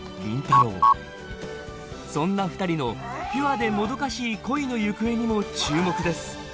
太郎そんな二人のピュアでもどかしい恋の行方にも注目です